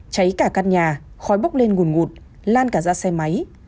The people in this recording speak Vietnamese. cháy cả căn nhà khói bốc lên nguồn ngụt lan cả ra xe máy